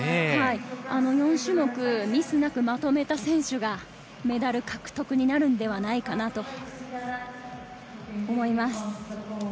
４種目ミスなくまとめた選手がメダル獲得になるのではないかなと思います。